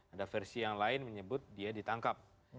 ada versi yang lain menyebut dia ditangkap